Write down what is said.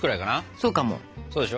そうでしょ。